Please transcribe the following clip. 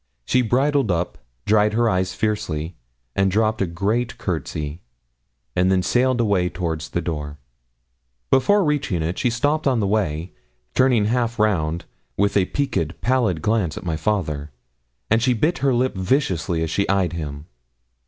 She bridled up, dried her eyes fiercely, and dropped a great courtesy, and then sailed away towards the door. Before reaching it she stopped on the way, turning half round, with a peaked, pallid glance at my father, and she bit her lip viciously as she eyed him.